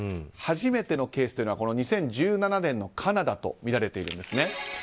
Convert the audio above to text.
初めてのケースというのはこの２０１７年のカナダとみられているんですね。